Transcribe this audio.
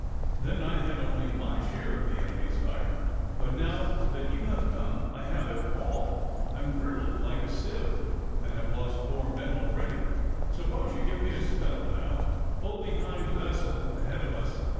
Then I had only my share of the enemy's fire, but now that you have come, I have it all. I'm riddled like a sieve, and have lost four men already. Suppose you give me a spell now pull behind the vessel ahead of us.